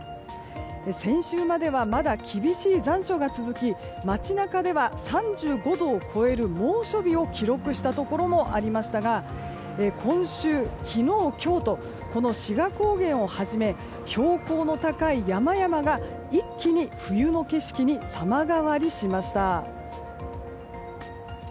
先週まではまだ厳しい残暑が続き街中では３５度を超える猛暑日を記録したところもありましたが今週、昨日、今日とこの志賀高原をはじめ標高の高い山々が、一気に冬の景色に様変わりしました。